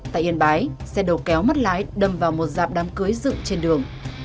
tại yên bái xe đầu kéo mất lái đâm vào một dạp đám cưới dựng trên đường